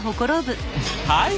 はい。